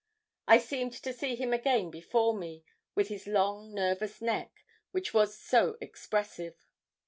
I seemed to see him again before me, with his long nervous neck, which was so expressive.